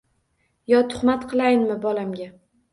Yo tuxmat qilayinmi bolamga?